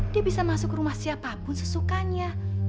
dia bisa masuk rumah siapapun sesukanya